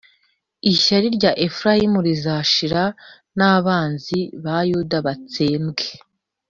Ishyari rya Efurayimu rizashira, n’abanzi ba Yuda batsembwe.